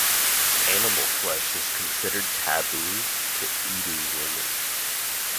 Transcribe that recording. Animal flesh is considered taboo to Idu woman.